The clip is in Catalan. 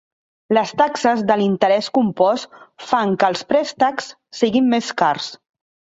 Les taxes de l'interès compost fan que els préstecs siguin més cars.